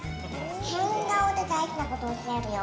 変顔で大事なこと教えるよ？